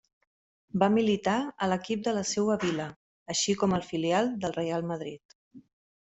Va militar a l'equip de la seua vila, així com al filial del Reial Madrid.